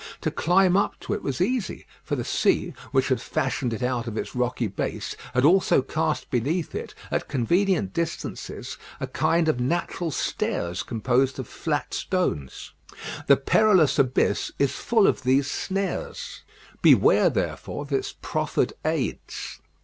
To climb up to it was easy, for the sea, which had fashioned it out of its rocky base, had also cast beneath it, at convenient distances, a kind of natural stairs composed of flat stones. The perilous abyss is full of these snares; beware, therefore, of its proffered aids.